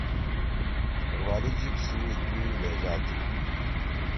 توروالی جیِب سی دُو لہجہ تھی۔